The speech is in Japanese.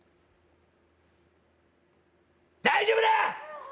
大丈夫だ！